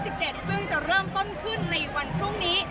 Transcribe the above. ซึ่งจะเริ่มต้นขึ้นในวันพรุ่งนี้